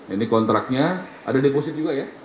ini kontraknya ada deposit juga ya